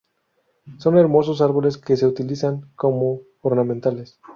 Son hermosos árboles que se utilizan como ornamentales.